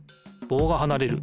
ぼうがはなれる。